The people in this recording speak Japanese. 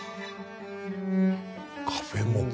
カフェモカ。